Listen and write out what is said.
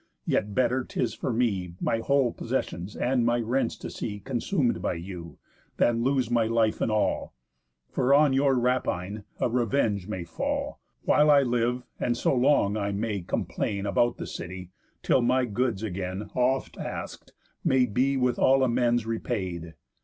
Yet better 'tis for me, My whole possessions and my rents to see Consum'd by you, than lose my life and all; For on your rapine a revenge may fall, While I live; and so long I may complain About the city, till my goods again, Oft ask'd, may be with all amends repaid.